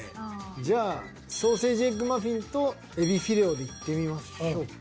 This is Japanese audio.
じゃあソーセージエッグマフィンとえびフィレオでいってみましょうか。